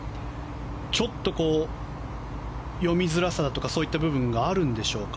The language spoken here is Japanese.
ちょっと、読みづらさとかそういった部分があるんでしょうか。